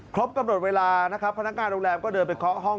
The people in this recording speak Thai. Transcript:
ครบกำหนดเวลานะครับพนักงานโรงแรมก็เดินไปเคาะห้อง